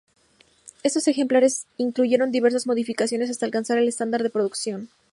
Estos ejemplares incluyeron diversas modificaciones hasta alcanzar el estándar de producción.